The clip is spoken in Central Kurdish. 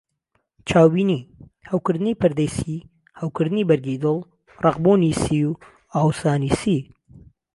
چاوبینی: هەوکردنی پەردەی سی، هەوکردنی بەرگی دڵ، ڕەقبوونی سی و ئاوسانی سی.